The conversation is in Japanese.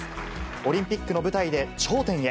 オリンピックの舞台で頂点へ。